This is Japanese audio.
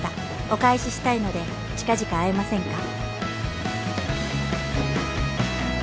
「お返ししたいので近々会えませんか？」